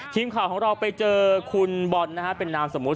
ทีมข่าวของเราไปเจอคุณบอลนะฮะเป็นนามสมมุติ